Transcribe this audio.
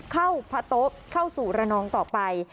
พระโต๊ะเข้าสู่ระนองต่อไป